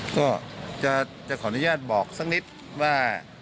ก็จะขออนุญาตบอกสักนิดว่า